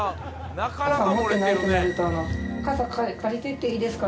傘持ってないってなると「傘借りてっていいですか？」